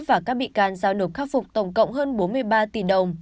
và các bị can giao nộp khắc phục tổng cộng hơn bốn mươi ba tỷ đồng